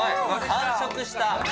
完食した。